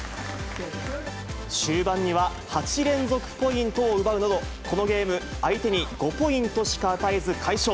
終盤には、８連続ポイントを奪うなど、このゲーム、相手に５ポイントしか与えず快勝。